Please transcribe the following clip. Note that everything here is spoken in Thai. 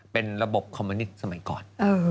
เป็นระบบคอมมิวนิตสมัยก่อน